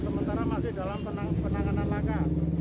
sementara masih dalam penanganan laka